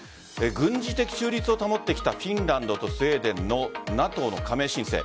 軍事的中立を保ってきたフィンランドとスウェーデンのＮＡＴＯの加盟申請。